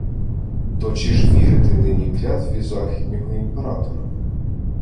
— То чи ж вірити нині клятві західнього імператора?